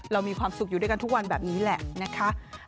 เรามีความสุขอยู่ด้วยกันทุกวันแบบนี้แหละนะคะ